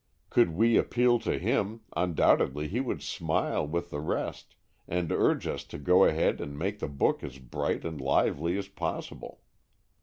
Could we appeal to him, undoubtedly he would smile with the rest and urge us to go ahead and make the book as bright and lively as possible.